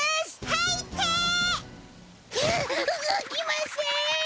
動きません！